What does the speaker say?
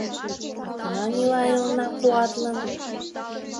А кунам ила элна куатлын